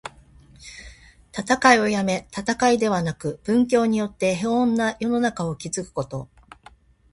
戦いをやめ、戦いではなく、文教によって平穏な世の中を築くこと。